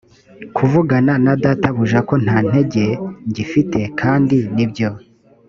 kuvugana na databuja ko nta ntege ngifite kandi nibyo